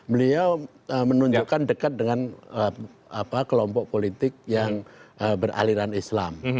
beliau menunjukkan dekat dengan kelompok politik yang beraliran islam